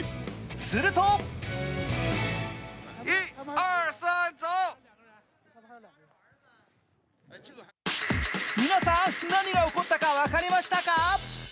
すると皆さん、何が起こったか分かりましたか？